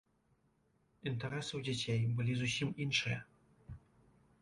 Інтарэсы ў дзяцей былі зусім іншыя.